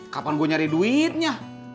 kapan gue nyari duitnya